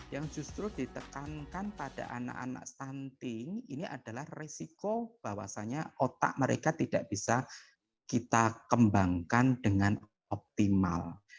yang justru ditekankan pada anak anak stunting ini adalah resiko bahwasannya otak mereka tidak bisa kita kembangkan dengan optimal